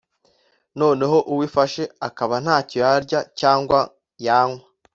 noneho uwo ifashe akaba ntacyo yarya cyangwa yanywa